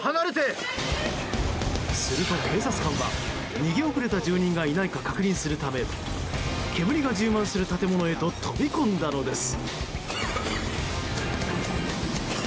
すると警察官は逃げ遅れた住人がいないか確認するため煙が充満する建物へと飛び込んだのです。